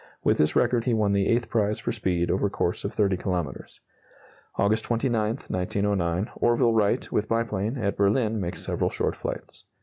(With this record he won the eighth prize for speed over course of 30 kilometres.) August 29, 1909 Orville Wright, with biplane, at Berlin, makes several short flights.